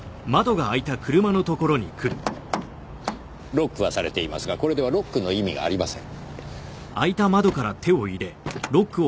ロックはされていますがこれではロックの意味がありません。